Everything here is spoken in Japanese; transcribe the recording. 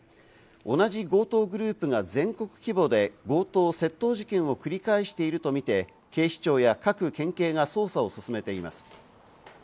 同じ強盗グループが全国規模で強盗・窃盗事件を繰り返しているとみて、警視庁や各県警が捜査を進めています。